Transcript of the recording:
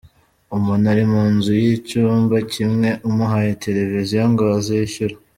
Umuntu ari mu nzu y’icyumba kimwe, umuhaye Televiziyo ngo azishyure!”.